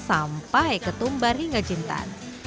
sampai ketumbar hingga jintan